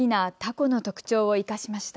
この特徴を生かしました。